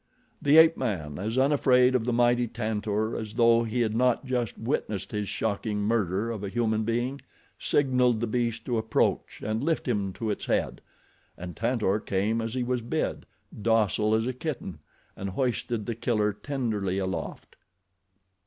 The ape man, as unafraid of the mighty Tantor as though he had not just witnessed his shocking murder of a human being, signalled the beast to approach and lift him to its head, and Tantor came as he was bid, docile as a kitten, and hoisted The Killer tenderly aloft.